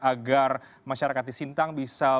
agar masyarakat di sintang bisa